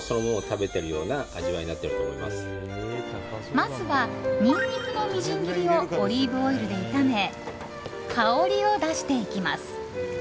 まずはニンニクのみじん切りをオリーブオイルで炒め香りを出していきます。